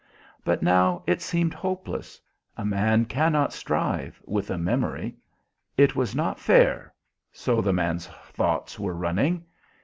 But now it seemed hopeless a man cannot strive with a memory. It was not fair so the man's thoughts were running.